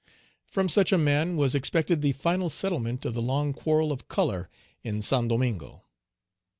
From such a man was expected the final settlement of the long quarrel of color in Saint Domingo.